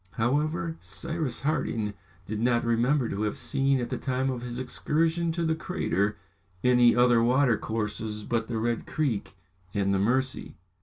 However, Cyrus Harding did not remember to have seen, at the time of his excursion to the crater, any other watercourses but the Red Creek and the Mercy.